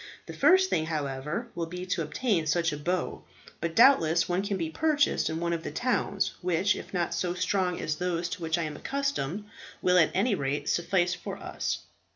The first thing, however, will be to obtain such a bow; but doubtless one can be purchased in one of the towns, which, if not so strong as those to which I was accustomed, will at any rate suffice for us."